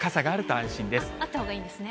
あったほうがいいんですね。